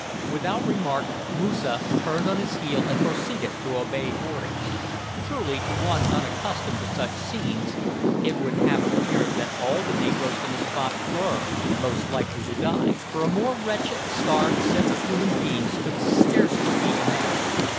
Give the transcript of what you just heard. Without remark, Moosa turned on his heel and proceeded to obey orders. Truly, to one unaccustomed to such scenes, it would have appeared that all the negroes on the spot were "most likely to die," for a more wretched, starved set of human beings could scarcely be imagined.